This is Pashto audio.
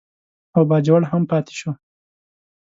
او باجوړ هم پاتې شو.